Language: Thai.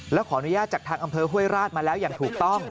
และขออนุญาตจากทางอำเภอห้วยราชมาแล้วอย่างถูกต้อง